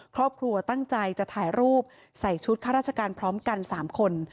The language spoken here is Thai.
ครอบครัวตั้งใจจะถ่ายรูปใส่ชุดข้าราชการพร้อมกัน๓คน